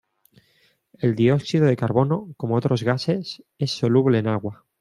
El dióxido de carbono, como otros gases, es soluble en agua.